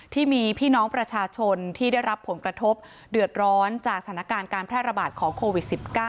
ที่มีพี่น้องประชาชนที่ได้รับผลกระทบเดือดร้อนจากสถานการณ์การแพร่ระบาดของโควิด๑๙